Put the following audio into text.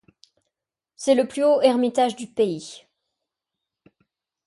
C'est le plus haut ermitage du pays.